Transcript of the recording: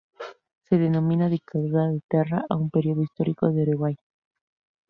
Se denomina Dictadura de Terra a un período histórico de Uruguay.